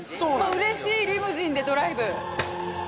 うれしい、リムジンでドライブ。